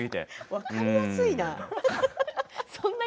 分かりやすいな。